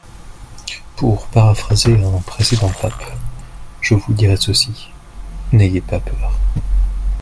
Pour paraphraser un précédent pape, je vous dirai ceci, n’ayez pas peur